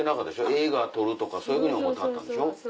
映画撮るとかそういうふうに思ってはったんでしょ。